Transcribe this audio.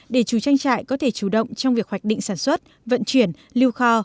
để chủ trang trại có thể chủ động trong việc hoạch định sản xuất vận chuyển lưu kho